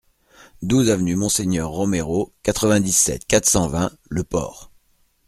douze avenue Monseigneur Roméro, quatre-vingt-dix-sept, quatre cent vingt, Le Port